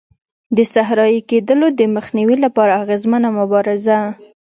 د صحرایې کېدلو د مخنیوي لپاره اغېزمنه مبارزه.